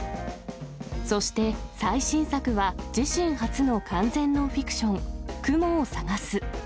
そして、最新作は自身初の完全ノンフィクション、くもをさがす。